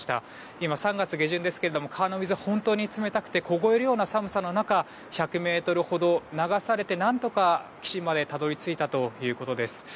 今、３月下旬ですけども川の水は本当に冷たくて凍えるような寒さの中１００ｍほど流されて何とか岸までたどり着いたということです。